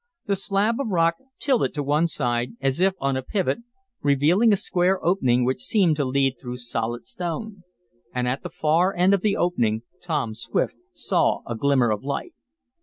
The slab of rock tilted to one side, as if on a pivot, revealing a square opening which seemed to lead through solid stone. And at the far end of the opening Tom Swift saw a glimmer of light.